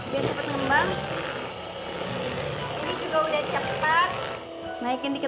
dianginkan aja dreadmet ter sangkai